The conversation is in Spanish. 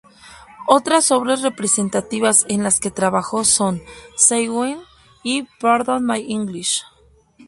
Otras obras representativas en las que trabajó son "Say When" y "Pardon My English".